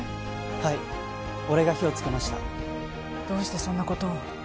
はい俺が火をつけましたどうしてそんなことを？